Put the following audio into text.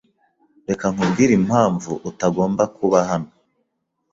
Reka nkubwire impamvu utagomba kuba hano.